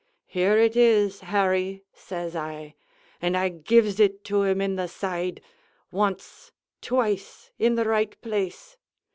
'Here it is, Harry,' says I, and I gives it to him in the side! once, twice, in the right place!"